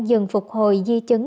dừng phục hồi di chứng